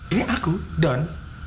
ini aku don